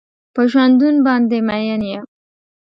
په ژوندون باندې مين يم.